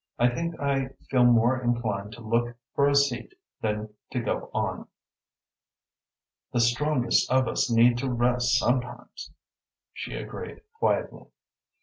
I think I feel more inclined to look for a seat than to go on." "The strongest of us need to rest sometimes," she agreed quietly.